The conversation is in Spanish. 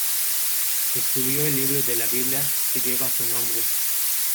Escribió el libro de la Biblia que lleva su nombre.